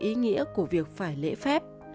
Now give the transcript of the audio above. ý nghĩa của việc phải lễ phép